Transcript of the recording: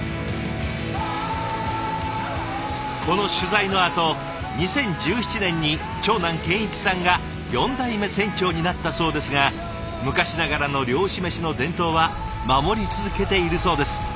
この取材のあと２０１７年に長男健一さんが４代目船長になったそうですが昔ながらの漁師メシの伝統は守り続けているそうです。